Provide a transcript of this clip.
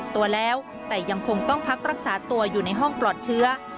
ตัวแล้วแต่ยังคงต้องพักรักษาตัวอยู่ในห้องปลอดเชื้อ